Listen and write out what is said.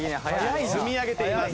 積み上げています。